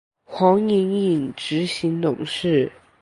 黄影影执行董事。